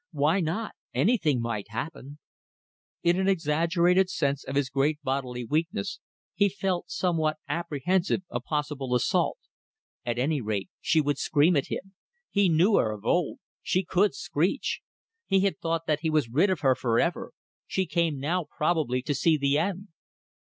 Why not? Anything might happen! In an exaggerated sense of his great bodily weakness he felt somewhat apprehensive of possible assault. At any rate, she would scream at him. He knew her of old. She could screech. He had thought that he was rid of her for ever. She came now probably to see the end.